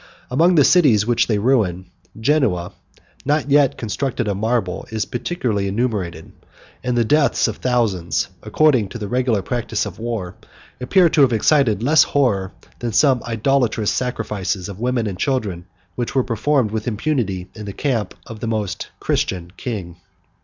Among the cities which they ruined, Genoa, not yet constructed of marble, is particularly enumerated; and the deaths of thousands, according to the regular practice of war, appear to have excited less horror than some idolatrous sacrifices of women and children, which were performed with impunity in the camp of the most Christian king.